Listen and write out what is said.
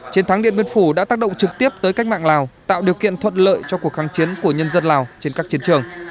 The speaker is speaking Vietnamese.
chiến thắng điện biên phủ đã tác động trực tiếp tới cách mạng lào tạo điều kiện thuận lợi cho cuộc kháng chiến của nhân dân lào trên các chiến trường